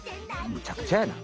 むちゃくちゃやな！